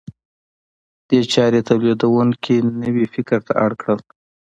دې چارې تولیدونکي نوي فکر ته اړ کړل.